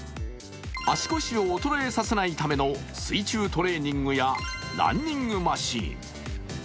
足腰を衰えさせないための水中トレーニングやランニングマシーン。